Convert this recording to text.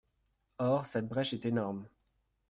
Or cette brèche est énorme.